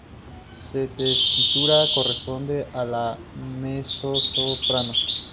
Su tesitura corresponde a la mezzosoprano.